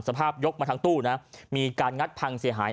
สภาพยกมาทั้งตู้นะมีการงัดพังเสียหาย